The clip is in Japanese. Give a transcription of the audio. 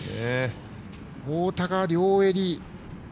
太田が両襟。